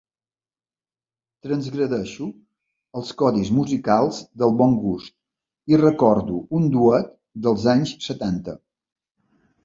Transgredeixo els codis musicals del bon gust i recordo un duet dels anys setanta.